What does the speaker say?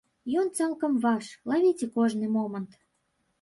Ён цалкам ваш, лавіце кожны момант!